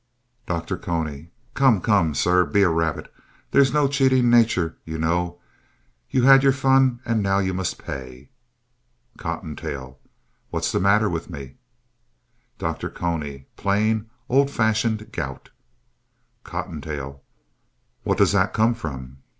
DR. CONY Come, come, sir, be a rabbit. There's no cheating nature, you know. You had your fun, and now you must pay. COTTONTAIL What's the matter with me? DR. CONY Plain, old fashioned gout. COTTONTAIL What does that come from?